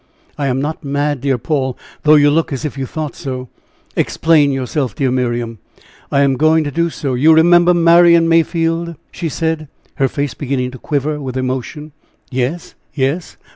"I am not mad, dear Paul, though you look as if you thought so." "Explain yourself, dear Miriam." "I am going to do so. You remember Marian Mayfield?" she said, her face beginning to quiver with emotion. "Yes! yes!